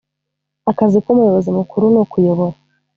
akazi k umuyobozi mukuru nukuyobora